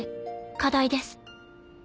課題です。